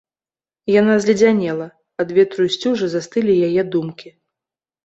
Яна зледзянела, ад ветру і сцюжы застылі яе думкі.